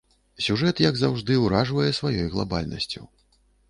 Сюжэт, як заўжды, уражвае сваёй глабальнасцю.